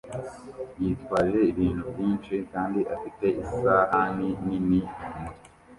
yitwaje ibintu byinshi kandi afite isahani nini kumutwe